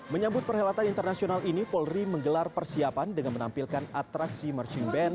menyambut perhelatan internasional ini polri menggelar persiapan dengan menampilkan atraksi marching band